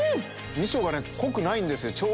味噌が濃くないんですよ